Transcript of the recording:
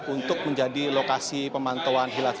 untuk menjadi lokasi pemantauan hilal